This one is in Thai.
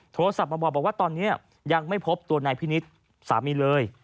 โทรศัพท์มาบอกว่าตอนนี้ยังไม่พบตัวนายพินิษฐ์สามีเลย